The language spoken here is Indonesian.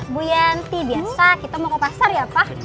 bu yanti biasa kita mau ke pasar ya pak